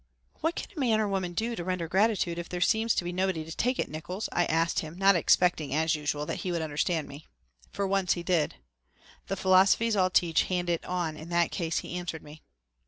"What can a man or woman do to render gratitude if there seems to be nobody to take it, Nickols?" I asked him, not expecting, as usual, that he would understand me. For once he did. "The philosophies all teach 'hand it on' in that case," he answered me.